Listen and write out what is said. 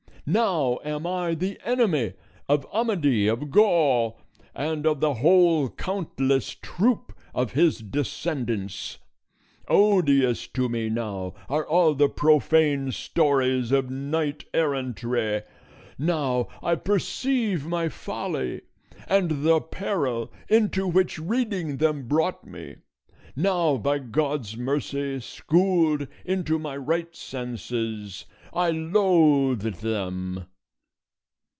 Now am I the enemy of Amadis of Gaul and of the whole countless troop of his descendants; odious to me now are all the profane stories of knight errantry; now I perceive my folly, and the peril into which reading them brought me; now, by God's mercy schooled into my right senses, I loathe them."